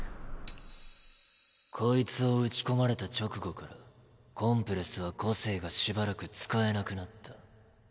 こいつを撃ち込まれた直後からコンプレスは個性がしばらく使えなくなった。